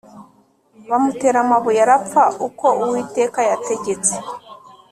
Bamutera amabuye arapfa uko uwiteka yategetse